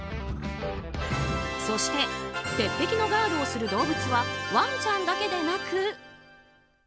そして、鉄壁のガードをする動物はワンちゃんだけでなく。